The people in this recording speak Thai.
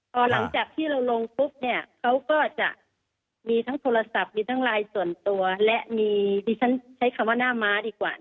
พอหลังจากที่เราลงปุ๊บเนี่ยเขาก็จะมีทั้งโทรศัพท์มีทั้งไลน์ส่วนตัวและมีดิฉันใช้คำว่าหน้าม้าดีกว่า